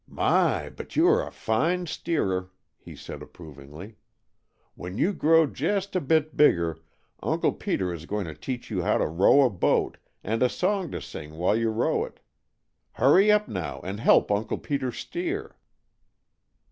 "My! but you are a fine steerer!" he said approvingly. "When you grow just a bit bigger, Uncle Peter is going to teach you how to row a boat, and a song to sing while you row it. Hurry up, now, and help Uncle Peter steer."